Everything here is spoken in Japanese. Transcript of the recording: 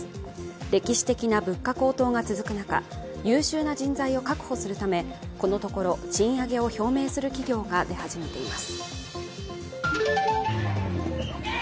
歴史的な物価高騰が続く中優秀な人材を確保するためこのところ、賃上げを表明する企業が出始めています。